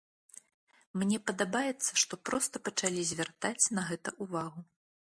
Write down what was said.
Мне падабаецца, што проста пачалі звяртаць на гэта ўвагу.